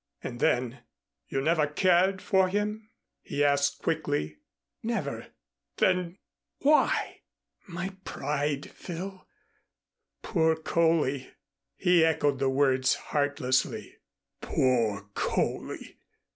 And then: "You never cared for him?" he asked quickly. "Never." "Then why ?" "My pride, Phil. Poor Coley!" He echoed the words heartlessly. "Poor Coley!"